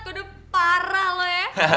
kode parah lo ya